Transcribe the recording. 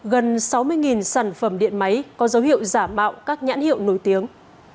gần sáu mươi sản phẩm điện máy có dấu hiệu giảm bạo các nhãn hiệu nổi tiếng